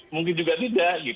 mungkin juga tidak